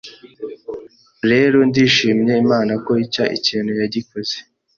Rero ndishimye Imana ko icyo kintu yagikoze,